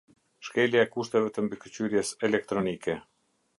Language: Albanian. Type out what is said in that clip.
Shkelja e kushteve të Mbikëqyrjes Elektronike.